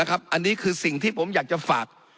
อันนี้คือสิ่งที่ผมอยากจะฝาก